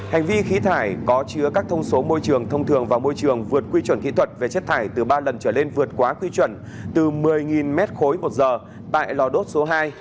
hành vi khí thải có chứa các thông số môi trường thông thường vào môi trường vượt quy chuẩn kỹ thuật về chất thải từ ba lần trở lên vượt quá quy chuẩn từ một mươi m ba một giờ tại lò đốt số hai